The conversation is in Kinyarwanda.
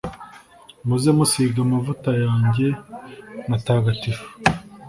maze musiga amavuta yanjye matagatifu